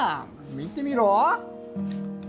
見てみろ？